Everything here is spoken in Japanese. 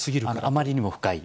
あまりにも深い。